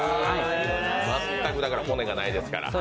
全く骨がないですから。